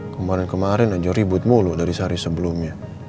kemarin kemarin aja ribut mulu dari sehari sebelumnya